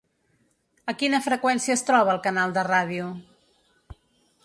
A quina freqüència es troba el canal de ràdio?